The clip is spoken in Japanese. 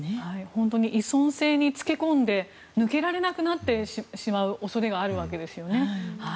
本当に依存性に付け込んで抜けられなくなってしまう恐れがあるわけですよね。